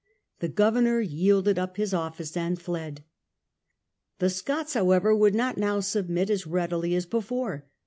The " governor " yielded up his office and fled. The Scots, however, would not now submit as readily as before.